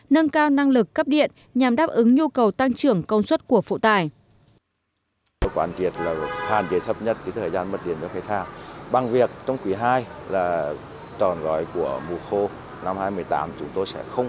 nâng cao năng lực cấp điện nhằm đáp ứng nhu cầu tăng trưởng công suất của phụ tải